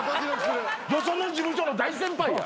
よその事務所の大先輩や。